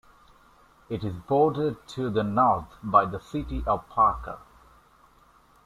It is bordered to the north by the city of Parker.